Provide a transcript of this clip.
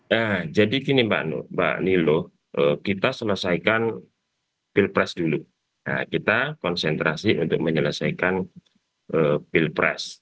ya jadi gini mbak nilo kita selesaikan pilpres dulu kita konsentrasi untuk menyelesaikan pilpres